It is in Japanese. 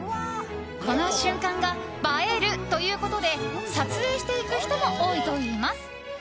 この瞬間が映えるということで撮影していく人も多いといいます。